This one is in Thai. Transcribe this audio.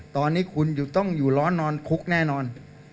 ตอนนี้คุณต้องอยู่ร้อนนอนคุกแน่นอน